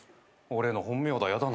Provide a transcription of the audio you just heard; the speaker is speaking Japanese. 俺の本名だ。